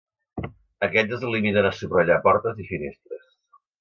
Aquests es limiten a subratllar portes i finestres.